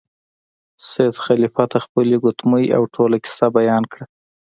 سید خلیفه ته خپله ګوتمۍ او ټوله کیسه بیان کړه.